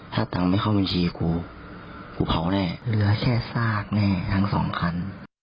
ถ้าตังค์ไม่เข้าบัญชีกูกูเผาแน่เหลือแค่ซากแน่ทั้งสองคัน